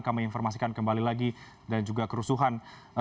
kami informasikan kembali lagi dan juga kerusuhan